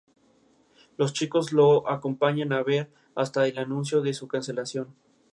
La frase "Sto lat!